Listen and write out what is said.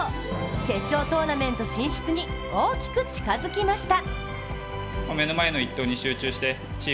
決勝トーナメント進出に大きく近づきました。